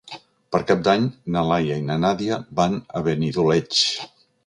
Per Cap d'Any na Laia i na Nàdia van a Benidoleig.